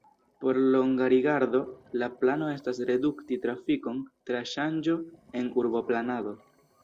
Por longa rigardo la plano estas redukti trafikon tra ŝanĝo en urboplanado.